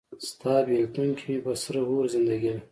ستا بیلتون کې مې په سره اور زندګي ده